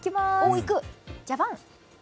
ジャバン！